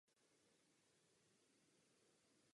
Není žádné jiné řešení.